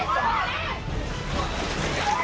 สวัสดีครับ